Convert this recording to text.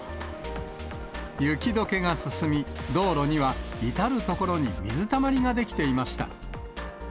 雪どけが進み、道路には至る所に水たまりが出来ていました。